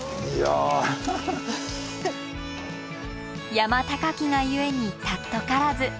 山高きが故に貴からず。